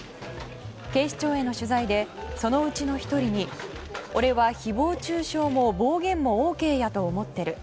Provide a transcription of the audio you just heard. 警視庁への取材でそのうちの１人に俺は誹謗中傷も暴言もＯＫやと思ってる。